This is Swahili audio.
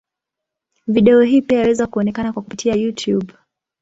Video hii pia yaweza kuonekana kwa kupitia Youtube.